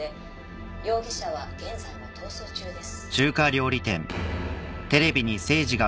逃げろ！容疑者は現在も逃走中です。